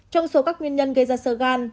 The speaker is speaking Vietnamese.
trong số các nguyên nhân gây ra sơ gan